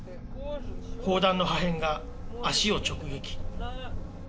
砲弾の破片が足を直撃。